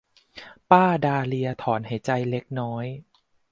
ป้าดาเลียถอนหายใจเล็กน้อย